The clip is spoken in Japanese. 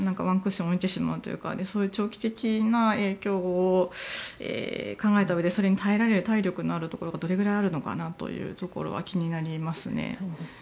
ワンクッション置いたうえで長期的な影響を考えたうえでそれに耐えられる体力のあるところがどれぐらいあるのかなというところは気になりますね。